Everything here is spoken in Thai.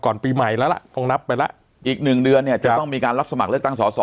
ปีใหม่แล้วล่ะคงนับไปแล้วอีกหนึ่งเดือนเนี่ยจะต้องมีการรับสมัครเลือกตั้งสอสอ